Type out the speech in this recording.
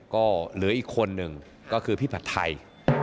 ก็เหลืออีกคนหนึ่งก็คือพี่ผัดไทย